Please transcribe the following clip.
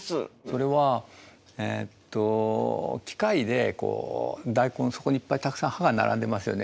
それは機械でこう大根そこにいっぱいたくさん刃が並んでますよね。